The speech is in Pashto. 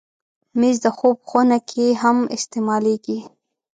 مېز د خوب خونه کې هم استعمالېږي.